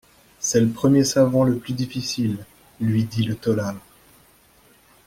C'est le premier savon le plus difficile, lui dit le tôlard.